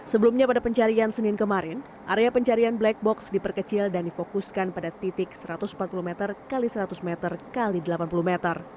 sebelumnya pada pencarian senin kemarin area pencarian black box diperkecil dan difokuskan pada titik satu ratus empat puluh meter x seratus meter x delapan puluh meter